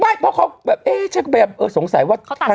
ไม่เพราะเขาแบบเอ๊ะสงสัยว่า